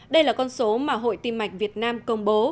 đây là con số mà hội tim mạch việt nam công bố